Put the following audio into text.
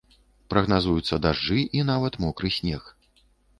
Прагназуюцца дажджы і нават мокры снег.